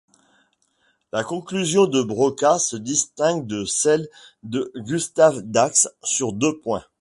La conclusion de Broca se distingue de celle de Gustave Dax sur deux points.